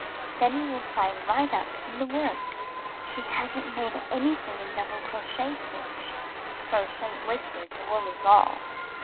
Then you will climb right up in the work." "She hasn't made anything in double crochet stitch," Crow Shay whispered to Wooley Ball.